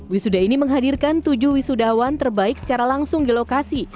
wisuda ini menghadirkan tujuh wisudawan terbaik secara langsung di lokasi